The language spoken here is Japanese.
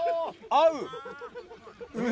合う。